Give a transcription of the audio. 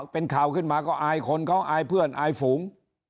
เป็นข่าวขึ้นมาก็อายคนเขาอายเพื่อนอายฝูง